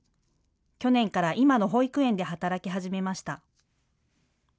去年から今の保育園で働き始めました。